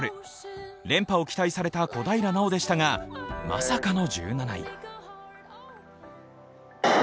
連覇を期待された小平奈緒でしたがまさかの１７位。